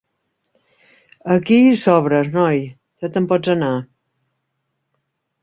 Aquí hi sobres, noi: ja te'n pots anar.